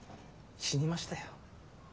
死にましたよ。